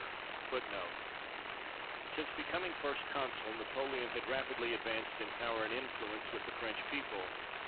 ^ What, ' Since becoming first consul. Napoleon had rapidly advanced in power and influence with the French people.